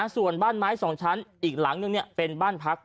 ส่วนบ้านไม้๒ชั้นอีกหลังนึงเป็นบ้านพัก